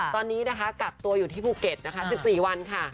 ตอนนี้นะคะกักตัวอยู่ที่ภูเก็ตนะคะ๑๔วันค่ะ